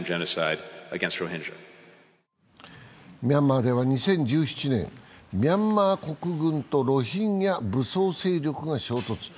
ミャンマーでは２０１７年、ミャンマー国軍とロヒンギャ武装勢力が衝突。